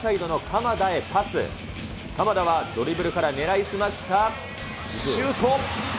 鎌田はドリブルから狙い澄ましたシュート。